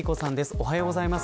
おはようございます。